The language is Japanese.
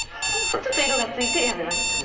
ちょっと色がついて辞めました。